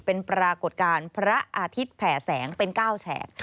เป็นปรากฏการณ์พระอาทิตย์แผ่แสงเป็น๙แฉก